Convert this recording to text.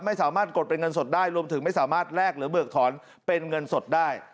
ไม่สามารถกดเป็นเงินสดได้รวมถึงไม่สามารถแลกหรือเบิกถอนเป็นเงินสดได้